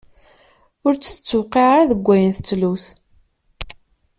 Ur tt-tewqiε ara deg ayen tettlus.